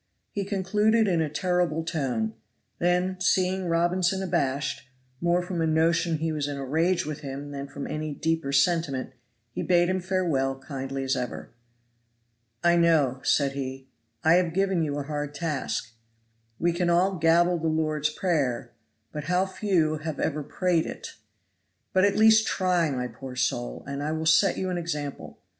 He concluded in a terrible tone; then, seeing Robinson abashed, more from a notion he was in a rage with him than from any deeper sentiment, he bade him farewell kindly as ever. "I know," said he, "I have given you a hard task. We can all gabble the Lord's Prayer, but how few have ever prayed it! But at least try, my poor soul, and I will set you an example.